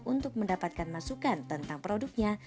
untuk mendapatkan masukan tentang produknya